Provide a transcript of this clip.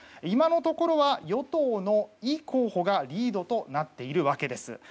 今のところは与党のイ候補がリードとなっているわけです。